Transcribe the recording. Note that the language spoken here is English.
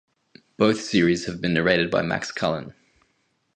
Both series have been narrated by Max Cullen.